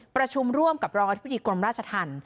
ประชุมร่วมกับรองอธิบดีกรมราชธรรม